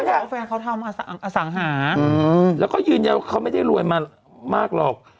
บอกว่าแฟนเขาทำอสังหาแล้วก็ยืนยันว่าเขาไม่ได้รวยมามากหรอก